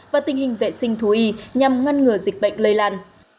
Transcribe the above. và tình hình vệ sinh thú y nhằm ngăn ngừa dịch bệnh lây lan